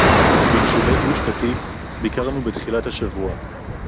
ביישובי גוש-קטיף, ביקרנו בתחילת השבוע